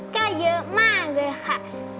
ก็เยอะมากเลยค่ะ